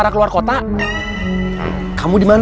ya tapi pas he training malu